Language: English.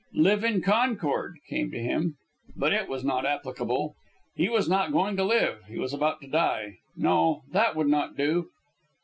"Live in concord," came to him; but it was not applicable. He was not going to live. He was about to die. No, that would not do.